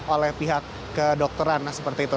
oleh pihak kedokteran seperti itu